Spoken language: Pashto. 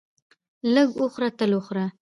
لږ وخوره تل وخوره.